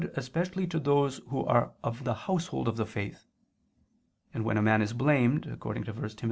especially to those who are of the household of the faith," and when a man is blamed (1 Tim.